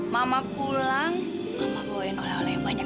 mama pulang mama bawain oleh oleh yang banyak